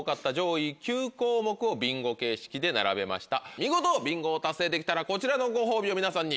見事ビンゴを達成できたらこちらのご褒美を皆さんに。